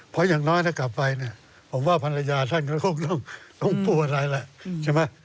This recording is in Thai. เพราะอย่างน้อยถ้ากลับไปผมว่าภรรยาท่านก็ต้องตัวอะไรแล้ว